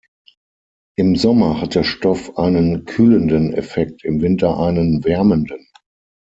Im Sommer hat der Stoff einen kühlenden Effekt, im Winter einen wärmenden.